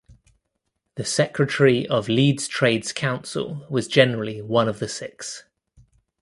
The secretary of Leeds Trades Council was generally one of the six.